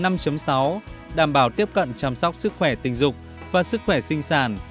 mục tiêu bảy đảm bảo tiếp cận chăm sóc sức khỏe tình dục và sức khỏe sinh sản